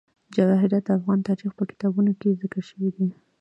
جواهرات د افغان تاریخ په کتابونو کې ذکر شوی دي.